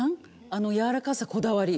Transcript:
あの柔らかさこだわり。